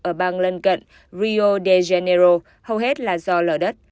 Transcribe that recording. ở bang lân cận rio de janeiro hầu hết là do lở đất